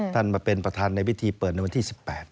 มาเป็นประธานในพิธีเปิดในวันที่๑๘